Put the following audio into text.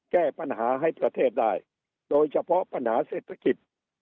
แก้ปัญหาให้ประเทศได้โดยเฉพาะปัญหาเศรษฐกิจ